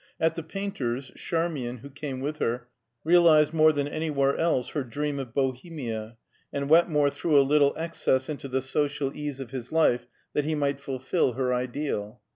At the painter's, Charmian, who came with her, realized more than anywhere else, her dream of Bohemia, and Wetmore threw a little excess into the social ease of his life that he might fulfil her ideal.